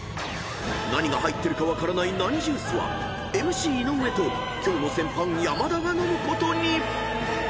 ［何が入ってるか分からないナニジュースはＭＣ井上と今日の戦犯山田が飲むことに！］